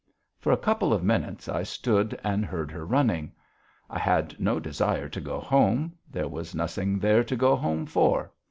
For a couple of minutes I stood and heard her running. I had no desire to go home, there was nothing there to go for.